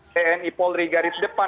tni polri garis depan